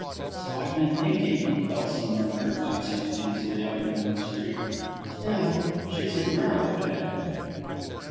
"So I've been thinking," Kelson murmured, glancing uneasily up and down the street. "Still she's a girl, Ed!"